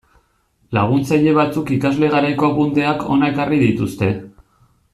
Laguntzaile batzuk ikasle garaiko apunteak hona ekarri dituzte.